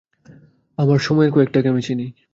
আমার সময়ের কয়েকটাকে আমি চিনি।